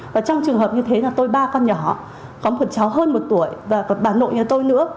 và trong trường hợp như thế là tôi ba con nhỏ có một cháu hơn một tuổi và còn bà nội nhà tôi nữa